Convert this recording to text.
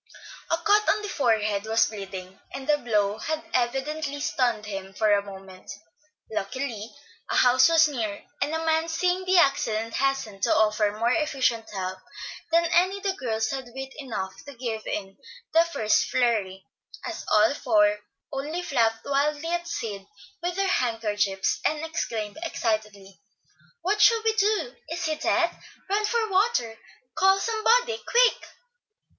A cut on the forehead was bleeding, and the blow had evidently stunned him for a moment. Luckily, a house was near, and a man seeing the accident hastened to offer more efficient help than any the girls had wit enough to give in the first flurry, as all four only flapped wildly at Sid with their handkerchiefs, and exclaimed excitedly, "What shall we do? Is he dead? Run for water. Call somebody, quick."